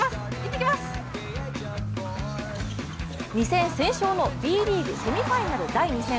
２戦戦勝のＢリーグセミファイナル第２戦。